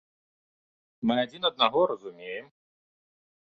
Мы адзін аднаго разумеем.